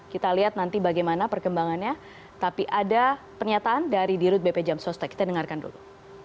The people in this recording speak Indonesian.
kita lihat nanti bagaimana perkembangannya tapi ada pernyataan dari dirut bp jam sostek kita dengarkan dulu